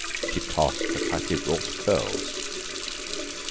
She tossed her tightly wrought curls.